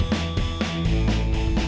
mana ya dia